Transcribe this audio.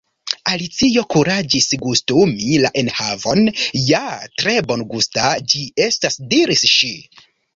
Alicio kuraĝis gustumi la enhavon. "Ja, tre bongusta ĝi estas," diris ŝi.